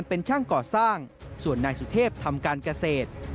เป็นช่างก่อสร้างส่วนนายสุเทพทำการเกษตร